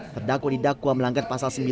terdakwa didakwa melanggar pasal sembilan